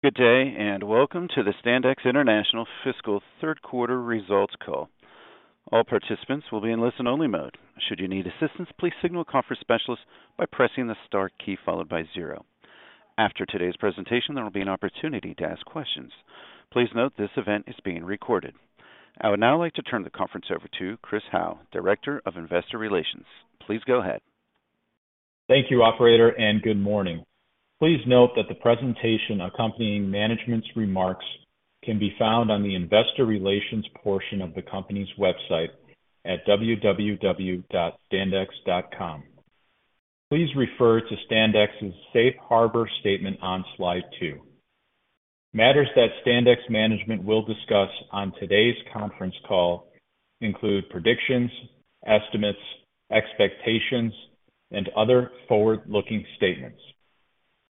Good day, and welcome to the Standex International Fiscal Third Quarter Results Call. All participants will be in listen-only mode. Should you need assistance, please signal a conference specialist by pressing the star key followed by zero. After today's presentation, there will be an opportunity to ask questions. Please note this event is being recorded. I would now like to turn the conference over to Chris Howe, Director of Investor Relations. Please go ahead. Thank you, operator, and good morning. Please note that the presentation accompanying management's remarks can be found on the investor relations portion of the company's website at www.standex.com. Please refer to Standex's safe harbor statement on slide two. Matters that Standex management will discuss on today's conference call include predictions, estimates, expectations, and other forward-looking statements.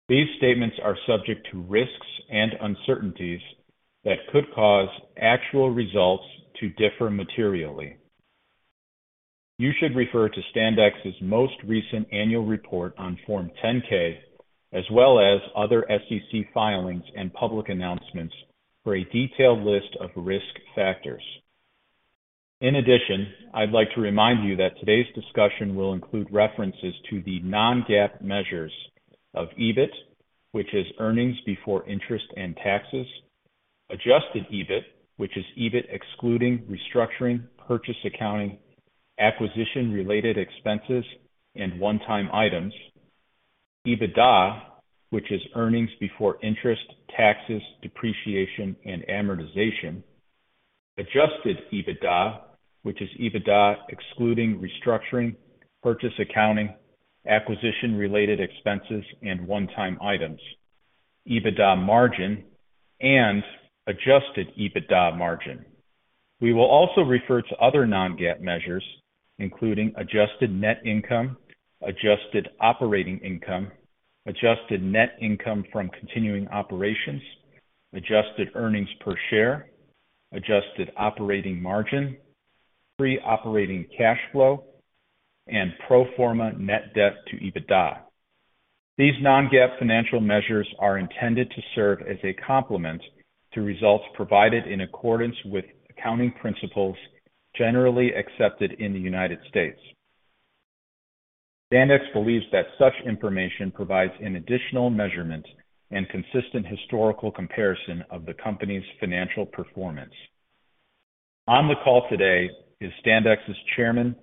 These statements are subject to risks and uncertainties that could cause actual results to differ materially. You should refer to Standex's most recent annual report on Form 10-K, as well as other SEC filings and public announcements for a detailed list of risk factors. In addition, I'd like to remind you that today's discussion will include references to the non-GAAP measures of EBIT, which is earnings before interest and taxes. Adjusted EBIT, which is EBIT excluding restructuring, purchase accounting, acquisition-related expenses, and one-time items. EBITDA, which is earnings before interest, taxes, depreciation, and amortization. Adjusted EBITDA, which is EBITDA excluding restructuring, purchase accounting, acquisition-related expenses, and one-time items. EBITDA margin, and adjusted EBITDA margin. We will also refer to other non-GAAP measures, including adjusted net income, adjusted operating income, adjusted net income from continuing operations, adjusted earnings per share, adjusted operating margin, free operating cash flow, and pro forma net debt to EBITDA. These non-GAAP financial measures are intended to serve as a complement to results provided in accordance with accounting principles generally accepted in the United States. Standex believes that such information provides an additional measurement and consistent historical comparison of the company's financial performance. On the call today is Standex's Chairman,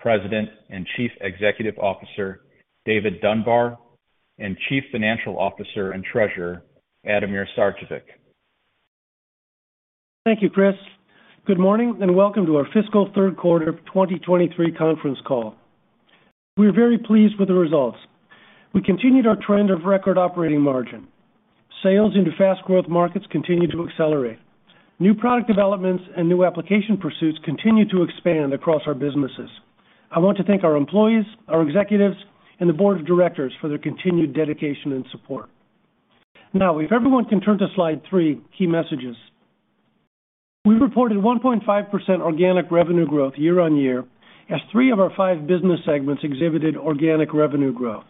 President, and Chief Executive Officer, David Dunbar, and Chief Financial Officer and Treasurer, Ademir Sarcevic. Thank you, Chris. Welcome to our fiscal third quarter 2023 conference call. We are very pleased with the results. We continued our trend of record operating margin. Sales into fast-growth markets continue to accelerate. New product developments and new application pursuits continue to expand across our businesses. I want to thank our employees, our executives, and the board of directors for their continued dedication and support. Now, if everyone can turn to slide three, key messages. We reported 1.5% organic revenue growth year-on-year as three of our five business segments exhibited organic revenue growth.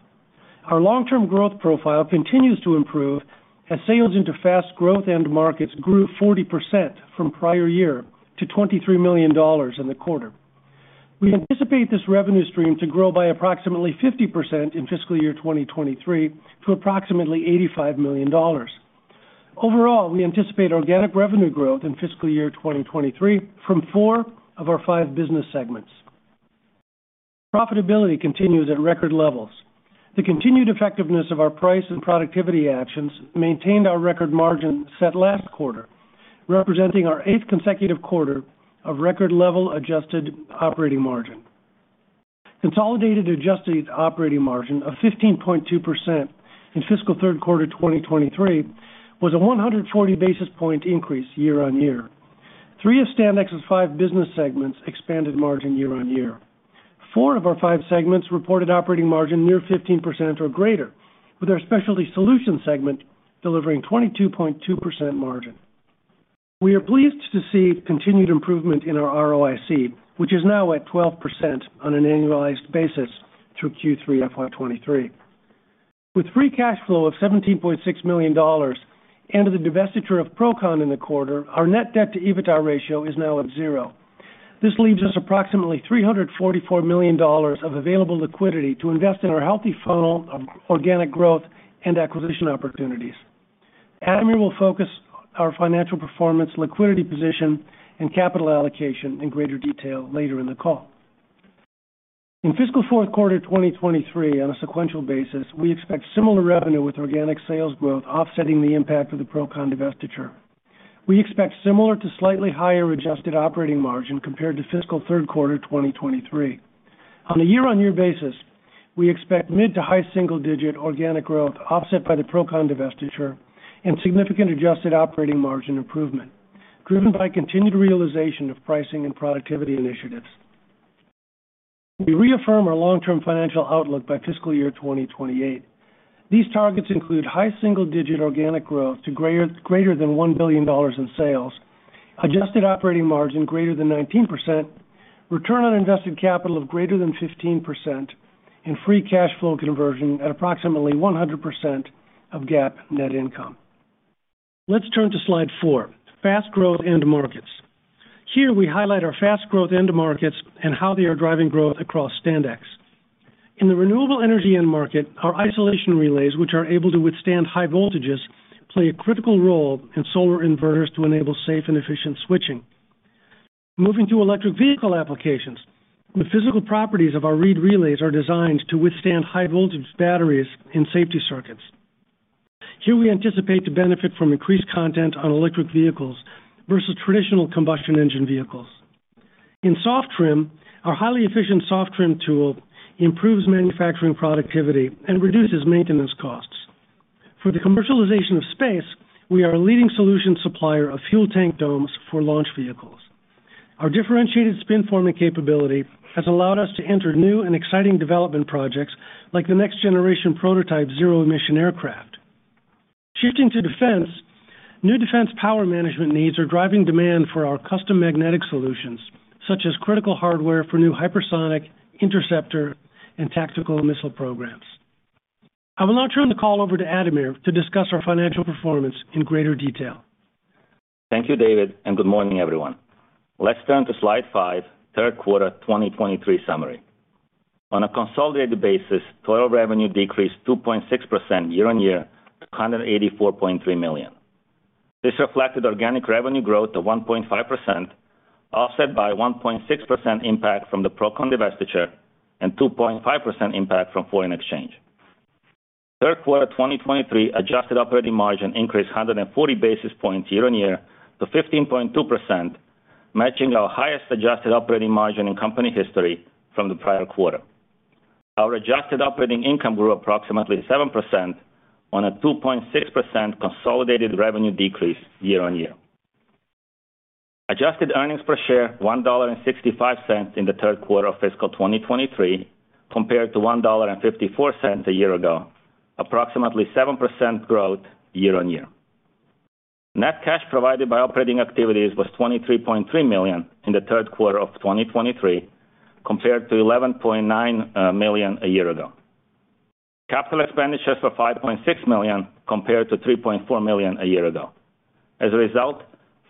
Our long-term growth profile continues to improve as sales into fast-growth end markets grew 40% from prior year to $23 million in the quarter. We anticipate this revenue stream to grow by approximately 50% in fiscal year 2023 to approximately $85 million. Overall, we anticipate organic revenue growth in fiscal year 2023 from four of our five business segments. Profitability continues at record levels. The continued effectiveness of our price and productivity actions maintained our record margin set last quarter, representing our eighth consecutive quarter of record level adjusted operating margin. Consolidated adjusted operating margin of 15.2% in fiscal third quarter 2023 was a 140 basis points increase year-on-year. Three of Standex's five business segments expanded margin year-on-year. Four of our five segments reported operating margin near 15% or greater, with our Specialty Solutions segment delivering 22.2% margin. We are pleased to see continued improvement in our ROIC, which is now at 12% on an annualized basis through Q3 FY 2023. With free cash flow of $17.6 million and the divestiture of Procon in the quarter, our net debt to EBITDA ratio is now at zero. This leaves us approximately $344 million of available liquidity to invest in our healthy funnel of organic growth and acquisition opportunities. Ademir will focus our financial performance, liquidity position, and capital allocation in greater detail later in the call. In fiscal fourth quarter 2023 on a sequential basis, we expect similar revenue with organic sales growth offsetting the impact of the Procon divestiture. We expect similar to slightly higher adjusted operating margin compared to fiscal third quarter 2023. On a year-on-year basis, we expect mid-to-high single-digit organic growth offset by the Procon divestiture and significant adjusted operating margin improvement driven by continued realization of pricing and productivity initiatives. We reaffirm our long-term financial outlook by fiscal year 2028. These targets include high single-digit organic growth to greater than $1 billion in sales. Adjusted operating margin greater than 19%. Return on invested capital of greater than 15%, and free cash flow conversion at approximately 100% of GAAP net income. Let's turn to slide four. Fast growth end markets. Here we highlight our fast growth end markets and how they are driving growth across Standex. In the renewable energy end market, our isolation relays, which are able to withstand high-voltages, play a critical role in solar inverters to enable safe and efficient switching. Moving to electric vehicle applications. The physical properties of our reed relays are designed to withstand high-voltage batteries in safety circuits. Here we anticipate to benefit from increased content on electric vehicles versus traditional combustion-engine vehicles. In soft trim, our highly efficient Soft Trim Tooling improves manufacturing productivity and reduces maintenance costs. For the commercialization of space, we are a leading solution supplier of fuel tank domes for launch vehicles. Our differentiated spin forming capability has allowed us to enter new and exciting development projects like the next generation prototype zero-emission aircraft. Shifting to defense. New defense power management needs are driving demand for our custom magnetic solutions, such as critical hardware for new hypersonic interceptor and tactical missile programs. I will now turn the call over to Ademir to discuss our financial performance in greater detail. Thank you, David. Good morning, everyone. Let's turn to slide five. Third quarter 2023 summary. On a consolidated basis, total revenue decreased 2.6% year-on-year to $184.3 million. This reflected organic revenue growth of 1.5%, offset by a 1.6% impact from the Procon divestiture and a 2.5% impact from foreign exchange. Third quarter 2023 adjusted operating margin increased 140 basis points year-on-year to 15.2%, matching our highest adjusted operating margin in company history from the prior quarter. Our adjusted operating income grew approximately 7% on a 2.6% consolidated revenue decrease year-on-year. Adjusted earnings per share $1.65 in the third quarter of fiscal 2023, compared to $1.54 a year ago. Approximately 7% growth year-on-year. Net cash provided by operating activities was $23.3 million in the third quarter of 2023, compared to $11.9 million a year ago. Capital expenditures were $5.6 million compared to $3.4 million a year ago. As a result,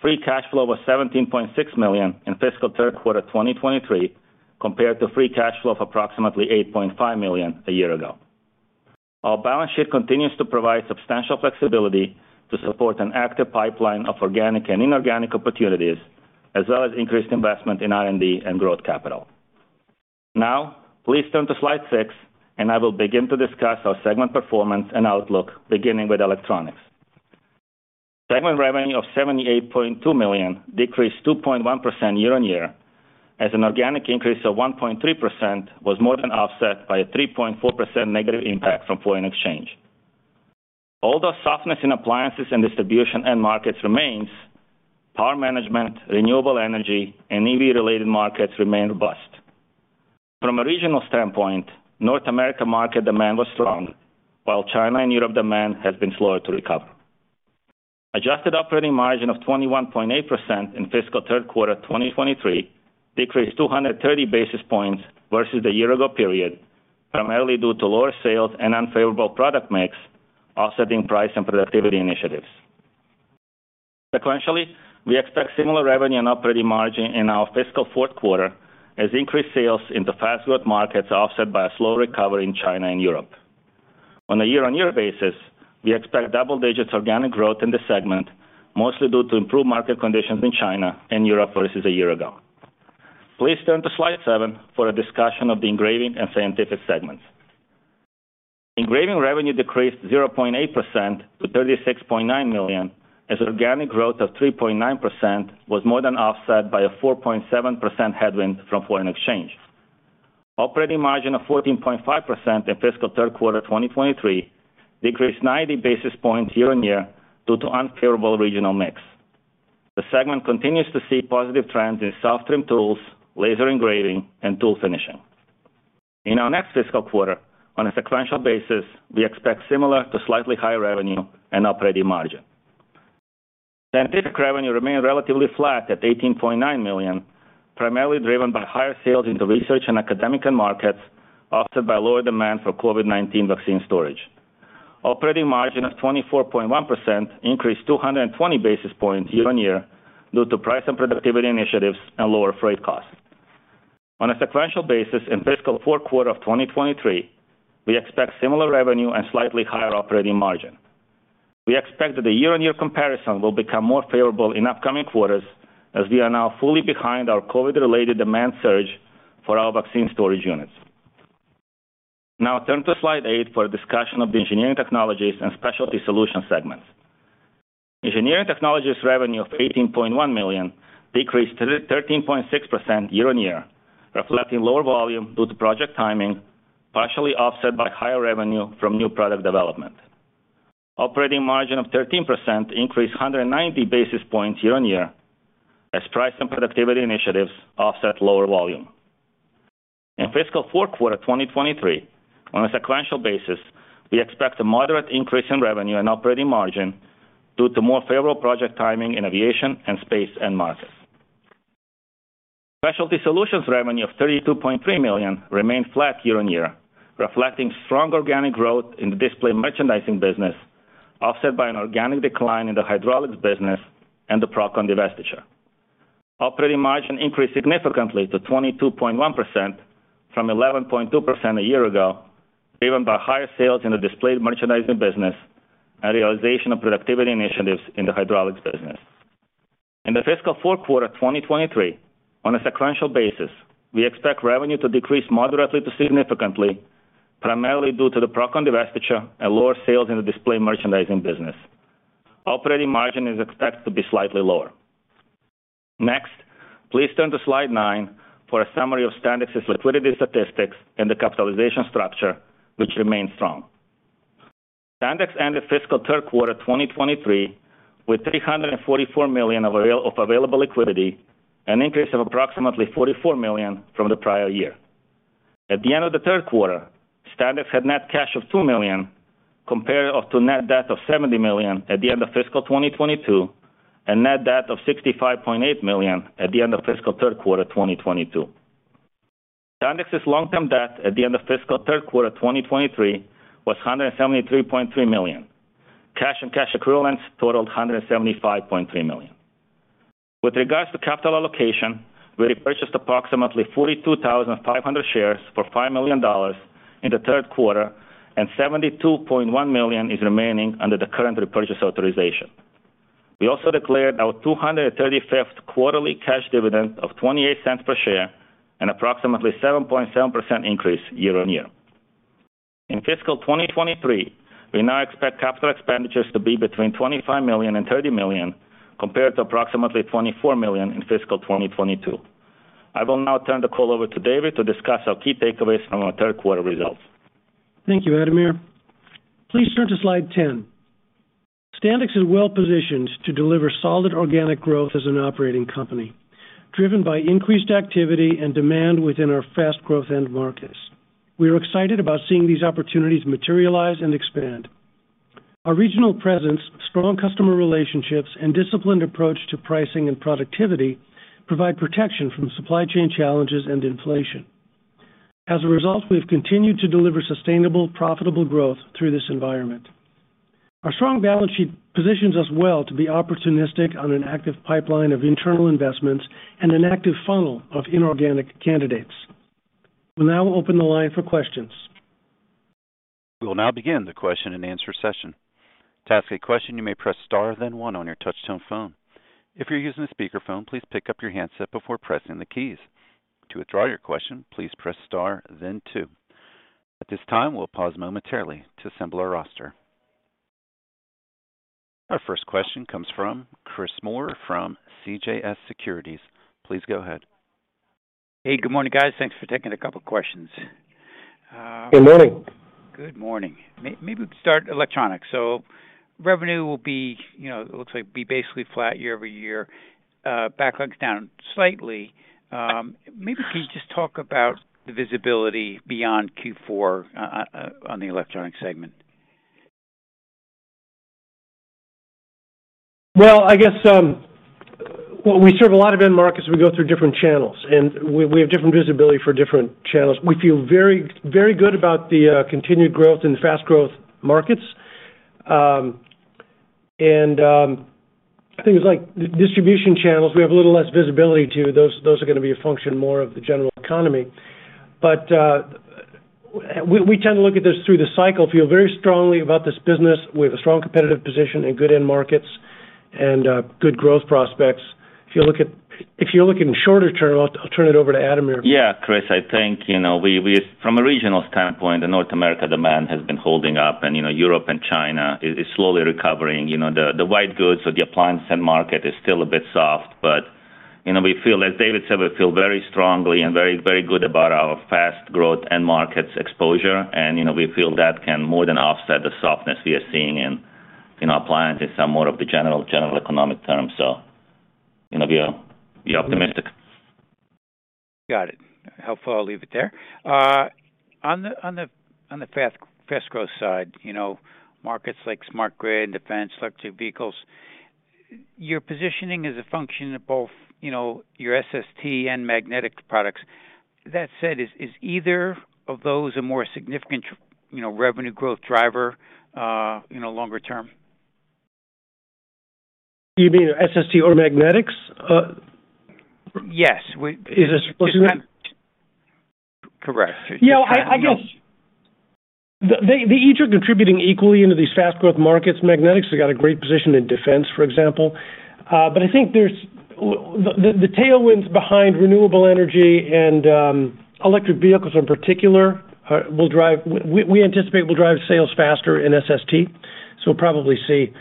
free cash flow was $17.6 million in fiscal third quarter 2023, compared to free cash flow of approximately $8.5 million a year ago. Our balance sheet continues to provide substantial flexibility to support an active pipeline of organic and inorganic opportunities, as well as increased investment in R&D and growth capital. Please turn to slide six, and I will begin to discuss our segment performance and outlook, beginning with Electronics. Segment revenue of $78.2 million decreased 2.1% year-on-year, as an organic increase of 1.3% was more than offset by a 3.4% negative impact from foreign exchange. Although softness in appliances and distribution end markets remains, power management, renewable energy, and EV-related markets remain robust. From a regional standpoint, North America market demand was strong, while China and Europe demand has been slower to recover. Adjusted operating margin of 21.8% in fiscal third quarter 2023 decreased 230 basis points versus the year ago period, primarily due to lower sales and unfavorable product mix, offsetting price and productivity initiatives. Sequentially, we expect similar revenue and operating margin in our fiscal fourth quarter as increased sales in the fast-growth markets are offset by a slow recovery in China and Europe. On a year-on-year basis, we expect double-digit organic growth in the segment, mostly due to improved market conditions in China and Europe versus a year ago. Please turn to slide seven for a discussion of the Engraving and Scientific segments. Engraving revenue decreased 0.8% to $36.9 million, as organic growth of 3.9% was more than offset by a 4.7% headwind from foreign exchange. Operating margin of 14.5% in fiscal third quarter 2023 decreased 90 basis points year-on-year due to unfavorable regional mix. The segment continues to see positive trends in Soft Trim Tooling, laser engraving, and tool finishing. In our next fiscal quarter, on a sequential basis, we expect similar to slightly higher revenue and operating margin. Scientific revenue remained relatively flat at $18.9 million, primarily driven by higher sales into research and academic end markets, offset by lower demand for COVID-19 vaccine storage. Operating margin of 24.1% increased 220 basis points year-on-year due to price and productivity initiatives and lower freight costs. On a sequential basis in fiscal fourth quarter of 2023, we expect similar revenue and slightly higher operating margin. We expect that the year-on-year comparison will become more favorable in upcoming quarters as we are now fully behind our COVID-related demand surge for our vaccine storage units. Turn to slide eight for a discussion of the Engineering Technologies and Specialty Solutions segments. Engineering Technologies revenue of $18.1 million decreased 13.6% year-on-year, reflecting lower volume due to project timing, partially offset by higher revenue from new product development. Operating margin of 13% increased 190 basis points year-on-year as price and productivity initiatives offset lower volume. In fiscal fourth quarter 2023, on a sequential basis, we expect a moderate increase in revenue and operating margin due to more favorable project timing in aviation and space end markets. Specialty Solutions revenue of $32.3 million remained flat year-on-year, reflecting strong organic growth in the Display Merchandising business, offset by an organic decline in the Hydraulics business and the Procon divestiture. Operating margin increased significantly to 22.1% from 11.2% a year ago, driven by higher sales in the Display Merchandising business and realization of productivity initiatives in the Hydraulics business. In the fiscal fourth quarter 2023, on a sequential basis, we expect revenue to decrease moderately to significantly, primarily due to the Procon divestiture and lower sales in the Display Merchandising business. Operating margin is expected to be slightly lower. Next, please turn to slide nine for a summary of Standex's liquidity statistics and the capitalization structure, which remains strong. Standex ended fiscal third quarter 2023 with $344 million of available liquidity, an increase of approximately $44 million from the prior year. At the end of the third quarter, Standex had net cash of $2 million, compared to net debt of $70 million at the end of fiscal 2022, and net debt of $65.8 million at the end of fiscal third quarter 2022. Standex's long-term debt at the end of fiscal third quarter 2023 was $173.3 million. Cash and cash equivalents totaled $175.3 million. With regards to capital allocation, we repurchased approximately 42,500 shares for $5 million in the third quarter, and $72.1 million is remaining under the current repurchase authorization. We also declared our 235th quarterly cash dividend of $0.28 per share and approximately 7.7% increase year-on-year. In fiscal 2023, we now expect capital expenditures to be between $25 million and $30 million, compared to approximately $24 million in fiscal 2022. I will now turn the call over to David to discuss our key takeaways from our third quarter results. Thank you, Ademir. Please turn to slide 10. Standex is well positioned to deliver solid organic growth as an operating company, driven by increased activity and demand within our fast growth end markets. We are excited about seeing these opportunities materialize and expand. Our regional presence, strong customer relationships, and disciplined approach to pricing and productivity provide protection from supply chain challenges and inflation. As a result, we've continued to deliver sustainable, profitable growth through this environment. Our strong balance sheet positions us well to be opportunistic on an active pipeline of internal investments and an active funnel of inorganic candidates. We'll now open the line for questions. We will now begin the question-and-answer session. To ask a question, you may press star then one on your touchtone phone. If you're using a speakerphone, please pick up your handset before pressing the keys. To withdraw your question, please press star then two. At this time, we'll pause momentarily to assemble our roster. Our first question comes from Chris Moore from CJS Securities. Please go ahead. Hey, good morning, guys. Thanks for taking a couple questions. Good morning. Good morning. Maybe start Electronics. Revenue will be, you know, looks like basically flat year-on-year, backlogs down slightly. Maybe can you just talk about the visibility beyond Q4 on the Electronics segment? Well, I guess, we serve a lot of end markets, we go through different channels, and we have different visibility for different channels. We feel very, very good about the continued growth in the fast-growth markets. Things like distribution channels, we have a little less visibility to. Those are gonna be a function more of the general economy. We tend to look at this through the cycle, feel very strongly about this business. We have a strong competitive position and good end markets and good growth prospects. If you look at, if you're looking shorter term, I'll turn it over to Ademir. Yeah, Chris, I think, you know, from a regional standpoint, the North America demand has been holding up and, you know, Europe and China is slowly recovering. You know, the white goods or the appliance end market is still a bit soft. You know, we feel as David said, we feel very strongly and very good about our fast growth end markets exposure. You know, we feel that can more than offset the softness we are seeing in our appliances and more of the general economic terms. You know, we are optimistic. Got it. Helpful. I'll leave it there. On the fast growth side, you know, markets like smart grid, defense, electric vehicles, your positioning is a function of both, you know, your SST and magnetic products. That said, is either of those a more significant, you know, revenue growth driver, you know, longer term? You mean SST or Magnetics? Yes. Is this- Correct. I guess. They each are contributing equally into these fast-growth markets. Magnetics has got a great position in defense, for example. I think there's the tailwinds behind renewable energy and electric vehicles in particular, we anticipate will drive sales faster in SST, so we'll probably see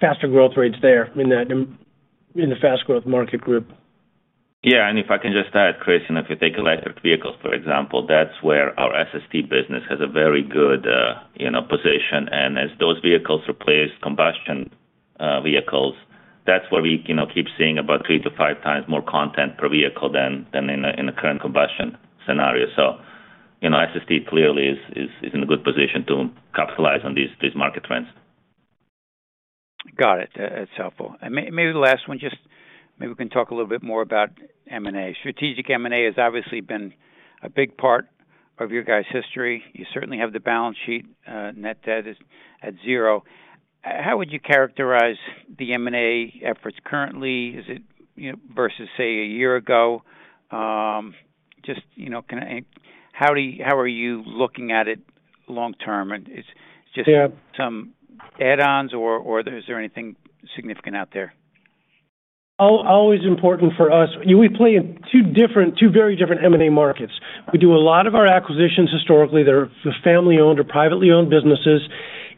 faster growth rates there in the fast growth market group. Yeah. If I can just add, Chris, and if you take electric vehicles, for example, that's where our SST business has a very good, you know, position. As those vehicles replace combustion vehicles, that's where we, you know, keep seeing about three to five times more content per vehicle than in a current combustion scenario. You know, SST clearly is in a good position to capitalize on these market trends. Got it. That's helpful. Maybe the last one just maybe we can talk a little bit more about M&A. Strategic M&A has obviously been a big part of your guys' history. You certainly have the balance sheet, net debt is at zero. How would you characterize the M&A efforts currently? Is it, you know, versus, say, a year ago? Just, you know, kinda how are you looking at it long term? Is just. Yeah... some add-ons or is there anything significant out there? Always important for us. We play in two very different M&A markets. We do a lot of our acquisitions historically, they're for family-owned or privately owned businesses.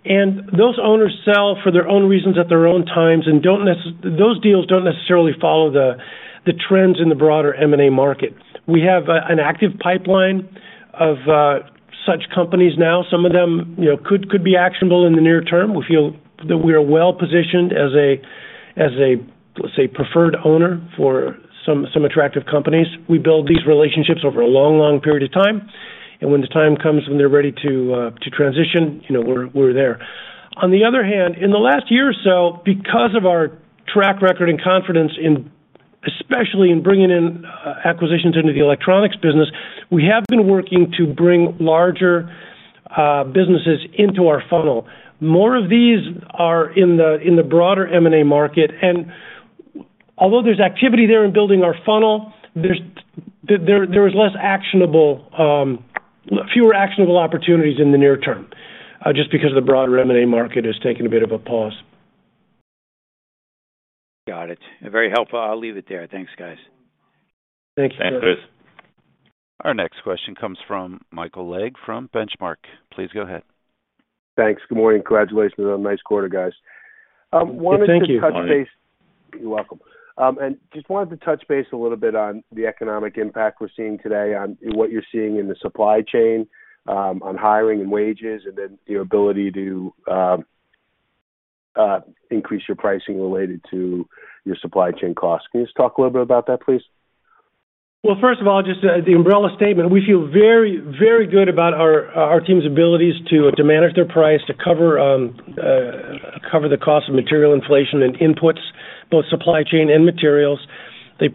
Those owners sell for their own reasons at their own times and those deals don't necessarily follow the trends in the broader M&A market. We have an active pipeline of such companies now. Some of them, you know, could be actionable in the near term. We feel that we are well positioned as a, let's say preferred owner for some attractive companies. We build these relationships over a long period of time. When the time comes, when they're ready to transition, you know, we're there. On the other hand, in the last year or so, because of our track record and confidence in, especially in bringing in, acquisitions into the Electronics business, we have been working to bring larger businesses into our funnel. More of these are in the broader M&A market. Although there's activity there in building our funnel, there is less actionable, fewer actionable opportunities in the near term, just because of the broader M&A market has taken a bit of a pause. Got it. Very helpful. I'll leave it there. Thanks, guys. Thank you. Thanks, Chris. Our next question comes from Michael Legg from Benchmark. Please go ahead. Thanks. Good morning. Congratulations on a nice quarter, guys. Wanted to touch base. Thank you, Mike. You're welcome. Just wanted to touch base a little bit on the economic impact we're seeing today on what you're seeing in the supply chain, on hiring and wages, and then your ability to increase your pricing related to your supply chain costs. Can you just talk a little bit about that, please? Well, first of all, just the umbrella statement, we feel very, very good about our team's abilities to manage their price, to cover the cost of material inflation and inputs, both supply chain and materials. They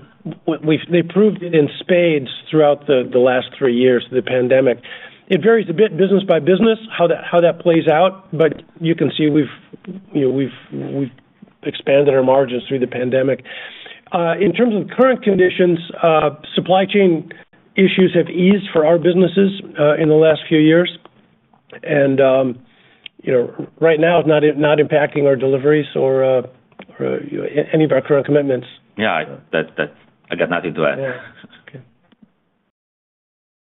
proved it in spades throughout the last three years of the pandemic. It varies a bit business by business, how that plays out, but you can see we've, you know, we've expanded our margins through the pandemic. In terms of current conditions, supply chain issues have eased for our businesses in the last few years. You know, right now it's not impacting our deliveries or any of our current commitments. Yeah. That I got nothing to add.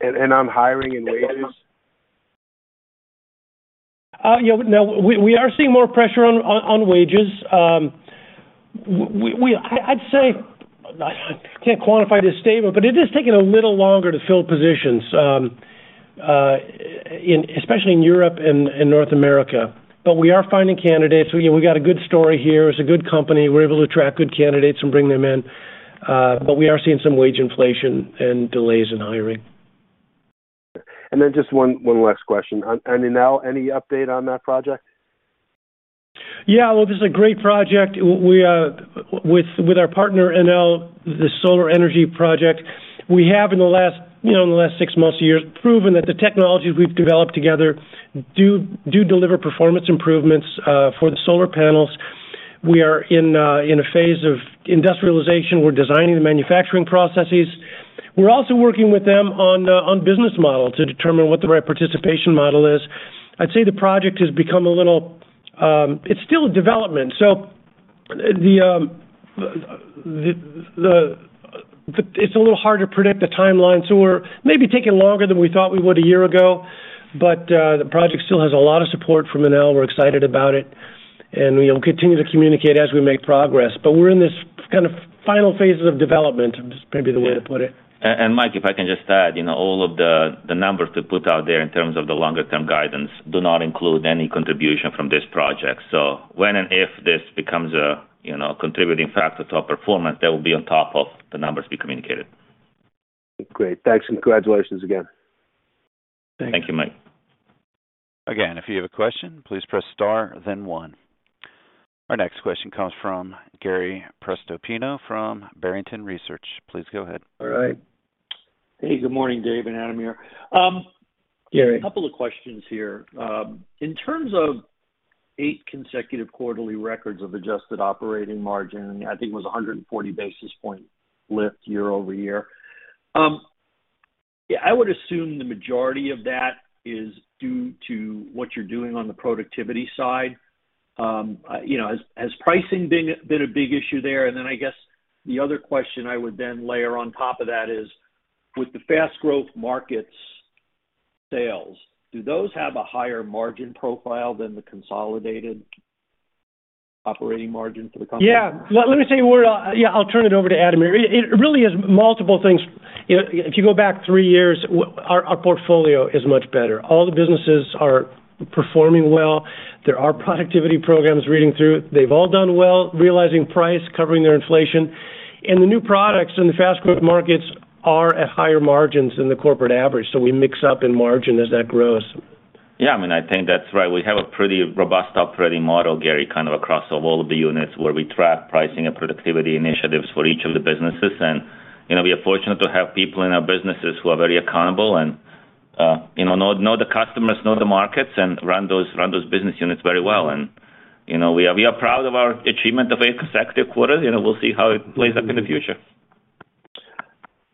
Yeah. Okay. On hiring and wages? Yeah, no. We are seeing more pressure on wages. I'd say I can't quantify this statement, but it is taking a little longer to fill positions, especially in Europe and North America. We are finding candidates. You know, we got a good story here. It's a good company. We're able to attract good candidates and bring them in. We are seeing some wage inflation and delays in hiring. Just one last question. On Enel, any update on that project? Yeah. Well, this is a great project. We are with our partner, Enel, the solar energy project, we have in the last, you know, in the last six months to a year, proven that the technologies we've developed together do deliver performance improvements for the solar panels. We are in a phase of industrialization. We're designing the manufacturing processes. We're also working with them on business model to determine what the right participation model is. I'd say the project has become a little. It's still in development, so the, it's a little hard to predict the timeline, so we're maybe taking longer than we thought we would a year ago. The project still has a lot of support from Enel. We're excited about it, and we'll continue to communicate as we make progress. We're in this kind of final phases of development is maybe the way to put it. Michael, if I can just add, you know, all of the numbers we put out there in terms of the longer term guidance do not include any contribution from this project. When and if this becomes a, you know, contributing factor to our performance, that will be on top of the numbers we communicated. Great. Thanks and congratulations again. Thank you. Thank you, Mike. If you have a question, please press star then one. Our next question comes from Gary Prestopino from Barrington Research. Please go ahead. All right. Hey, good morning, Dave and Ademir. Gary. A couple of questions here. In terms of eight consecutive quarterly records of adjusted operating margin, I think it was 140 basis points lift year-over-year. Yeah, I would assume the majority of that is due to what you're doing on the productivity side. You know, has pricing been a big issue there? I guess the other question I would then layer on top of that is, with the fast-growth markets sales, do those have a higher margin profile than the consolidated operating margin for the company? Yeah. Let me say a word. I'll turn it over to Ademir. It really is multiple things. You know, if you go back three years, our portfolio is much better. All the businesses are performing well. There are productivity programs reading through. They've all done well, realizing price, covering their inflation. The new products in the fast-growth markets are at higher margins than the corporate average, so we mix up in margin as that grows. Yeah. I mean, I think that's right. We have a pretty robust operating model, Gary, kind of across all of the units where we track pricing and productivity initiatives for each of the businesses. You know, we are fortunate to have people in our businesses who are very accountable and, you know the customers, know the markets, and run those business units very well. You know, we are proud of our achievement of eight consecutive quarters. You know, we'll see how it plays out in the future.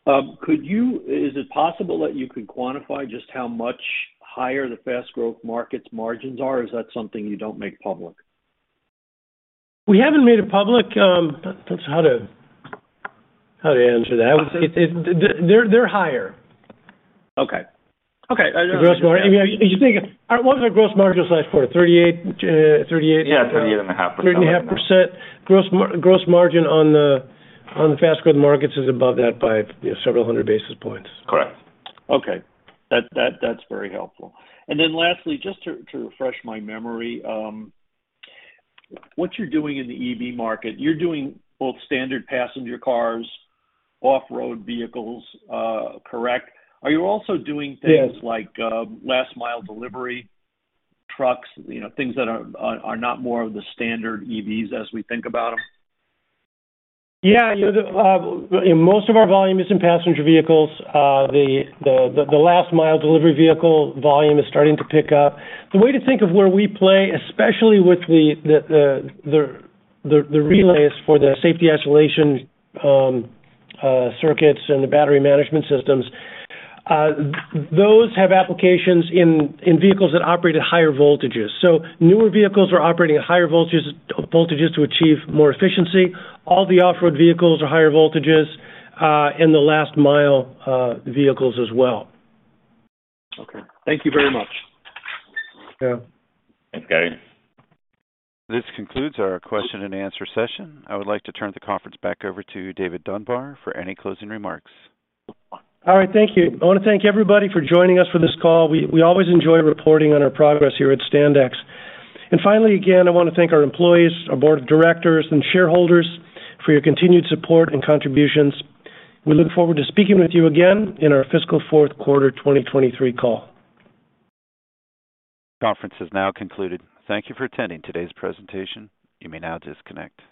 Is it possible that you could quantify just how much higher the fast-growth markets margins are, or is that something you don't make public? We haven't made it public. That's hard to answer that. They're higher. Okay. Okay. The gross margin. You think, what was our gross margin slide for 38? Yeah, 38.5%. 38.5% gross margin on the fast-growth markets is above that by several hundred basis points. Correct. Okay. That's very helpful. Lastly, just to refresh my memory, what you're doing in the EV market, you're doing both standard passenger cars, off-road vehicles, correct? Are you also doing? Yes... like, last-mile delivery trucks, you know, things that are not more of the standard EVs as we think about them? You know, most of our volume is in passenger vehicles. The last mile delivery vehicle volume is starting to pick up. The way to think of where we play, especially with the relays for the safety isolation circuits and the battery management systems, those have applications in vehicles that operate at higher voltages. Newer vehicles are operating at higher voltages to achieve more efficiency. All the off-road vehicles are higher voltages, and the last-mile vehicles as well. Okay. Thank you very much. Yeah. Thanks, Gary. This concludes our question and answer session. I would like to turn the conference back over to David Dunbar for any closing remarks. All right. Thank you. I wanna thank everybody for joining us for this call. We always enjoy reporting on our progress here at Standex. Finally, again, I wanna thank our employees, our board of directors and shareholders for your continued support and contributions. We look forward to speaking with you again in our fiscal fourth quarter 2023 call. Conference is now concluded. Thank you for attending today's presentation. You may now disconnect.